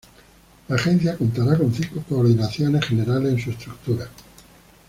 La agencia contará con cinco coordinaciones generales en su estructura.